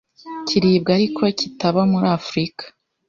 kiribwa ariko kitaba muri Afrika,